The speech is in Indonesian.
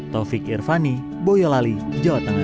taufik irvani boyolali jawa tengah